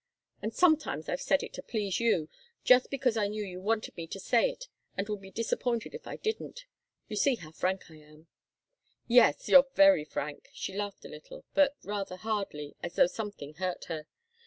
And sometimes I've said it to please you, just because I knew you wanted me to say it and would be disappointed if I didn't. You see how frank I am." "Yes you're very frank!" She laughed a little, but rather hardly, as though something hurt her.